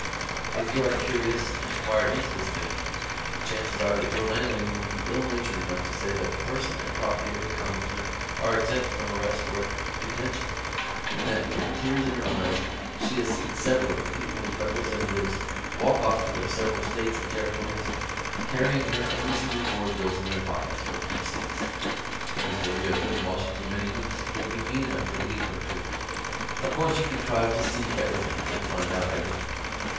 If you are curious and inquire into this thing, the chances are that your landlady will be ill natured enough to say that the person and property of a Congressman are exempt from arrest or detention, and that with the tears in her eyes she has seen several of the people's representatives walk off to their several States and Territories carrying her unreceipted board bills in their pockets for keepsakes. And before you have been in Washington many weeks you will be mean enough to believe her, too. Of course you contrive to see everything and find out everything.